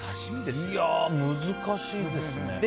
いや、難しいですね。